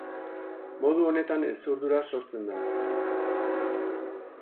Modu honetan hezurdura sortzen da.